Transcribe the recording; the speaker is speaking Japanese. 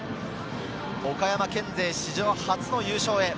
岡山県勢、史上初の優勝へ。